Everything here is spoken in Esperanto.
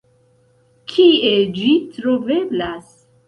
Kie ĝi troveblas?